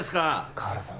河原さん